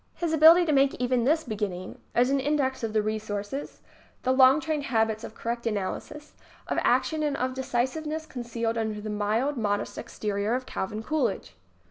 His ability to make even this beginning is an index of the resources, the long trained habits of correct analysis, of action and of decisiveness con cealed under the mild, modest exterior of Calvin Coolidge.